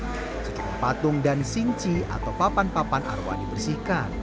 sejumlah patung dan sinci atau papan papan arwah dibersihkan